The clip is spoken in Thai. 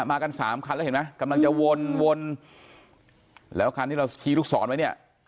มากันสามคันแล้วเห็นไหมกำลังจะวนวนแล้วคันที่เราขี่ลูกศรไว้เนี่ย